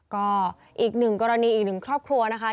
ก็อีกหนึ่งกรณีอีกหนึ่งครอบครัวนะคะ